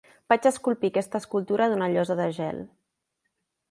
Vaig esculpir aquesta escultura d'una llosa de gel.